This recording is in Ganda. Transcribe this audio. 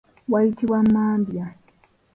Wayitibwa mabya.